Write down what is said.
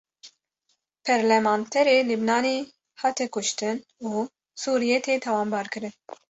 Perlemanterê Libnanî hate kuştin û Sûriyê tê tawanbar kirin